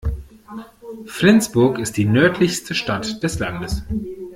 Flensburg ist die nördlichste Stadt des Landes.